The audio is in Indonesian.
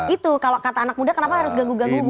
itu kalau kata anak muda kenapa harus ganggu ganggu